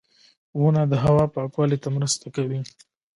• ونه د هوا پاکوالي ته مرسته کوي.